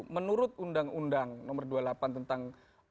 menurut undang undang nomor dua puluh delapan tentang